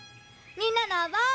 みんなのおうぼを。